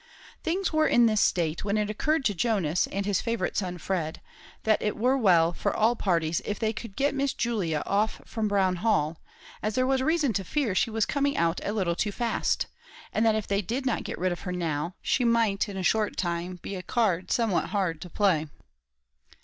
Things were in this state, when it occurred to Jonas and his favourite son Fred, that it were well for all parties if they could get Miss Julia off from Brown Hall, as there was reason to fear she was coming out a little too fast; and that if they did not get rid of her now, she might in a short time become a card somewhat hard to play.